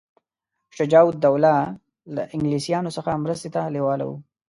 شجاع الدوله له انګلیسیانو څخه مرستې ته لېواله وو.